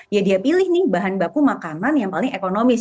ya dia pilih nih bahan baku makanan yang paling ekonomis